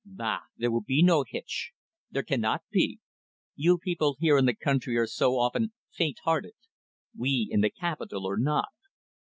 "Bah! There will be no hitch. There cannot be. You people here in the country are so often faint hearted. We in the capital are not.